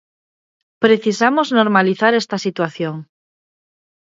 Precisamos normalizar esta situación.